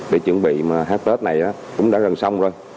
để chuẩn bị mà hết tết này cũng đã gần xong rồi